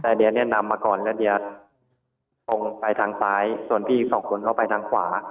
แต่เดี๋ยวเนี่ยนำมาก่อนแล้วเดี๋ยวคงไปทางซ้ายส่วนพี่อีกสองคนเข้าไปทางขวา